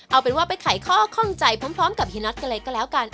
เอาเป็นว่าไปไขข้อข้องใจพร้อมกับเฮียน็อตกันเลยก็แล้วกัน